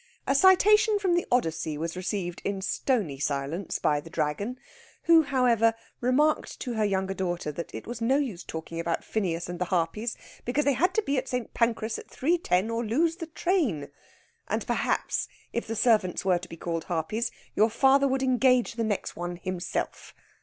A citation from the Odyssey was received in stony silence by the Dragon, who, however, remarked to her younger daughter that it was no use talking about Phineus and the Harpies, because they had to be at St. Pancras at 3.10, or lose the train. And perhaps, if the servants were to be called Harpies, your father would engage the next one himself.